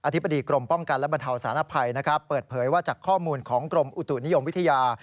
ธิบดีกรมป้องกันและบรรเทาสารภัยนะครับเปิดเผยว่าจากข้อมูลของกรมอุตุนิยมวิทยา